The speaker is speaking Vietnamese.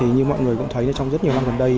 như mọi người cũng thấy trong rất nhiều năm gần đây